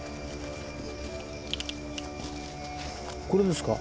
これですか？